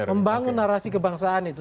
membangun narasi kebangsaan itu